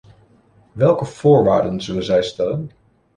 Welke voorwaarden zullen zij stellen?